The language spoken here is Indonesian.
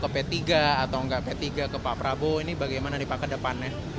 ke p tiga atau enggak p tiga ke pak prabowo ini bagaimana dipakai depannya